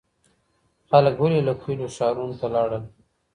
خلګ ولي له کلیو ښارونو ته لاړل؟